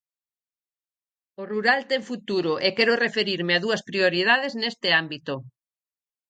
O rural ten futuro e quero referirme a dúas prioridades neste ámbito.